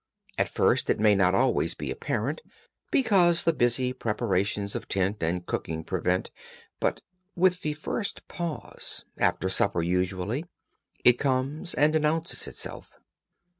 At first it may not always be apparent, because the busy preparations of tent and cooking prevent, but with the first pause—after supper usually—it comes and announces itself.